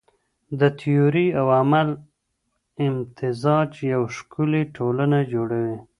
د تيوري او عمل امتزاج يوه ښکلې ټولنه جوړوي.